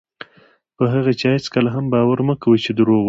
په هغه چا هېڅکله هم باور مه کوئ چې دروغ وایي.